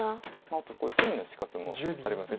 あとこれ隅の死活もあります。